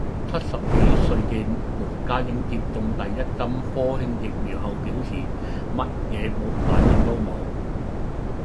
七十幾歲嘅羅家英接種第一針科興疫苗後表示：乜嘢反應都冇